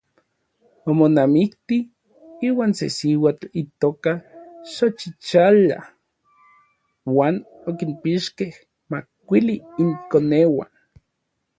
Omonamikti iuan se siuatl itoka Xochixala uan okinpixkej makuili inkoneuan.